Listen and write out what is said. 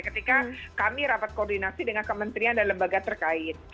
ketika kami rapat koordinasi dengan kementerian dan lembaga terkait